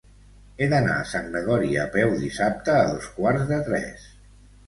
He d'anar a Sant Gregori a peu dissabte a dos quarts de tres.